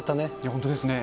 本当ですね。